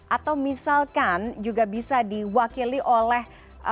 atau misalkan juga bisa diwakili oleh